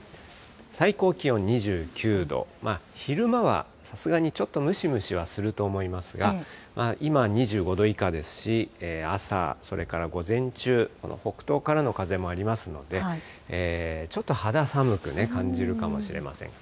最高気温２９度、昼間は、さすがにちょっとムシムシはすると思いますが、今２５度以下ですし、朝、それから午前中、北東からの風もありますので、ちょっと肌寒く感じるかもしれません。